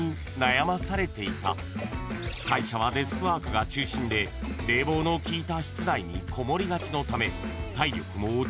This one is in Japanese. ［会社はデスクワークが中心で冷房の効いた室内にこもりがちのため体力も落ち気味］